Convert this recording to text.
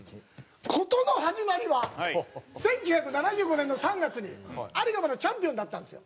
事の始まりは１９７５年の３月にアリがまだチャンピオンだったんですよ。